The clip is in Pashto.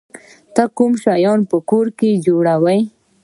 ته کوم شیان په کور کې جوړوی؟